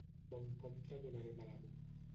Bon compte donarem a l'amo.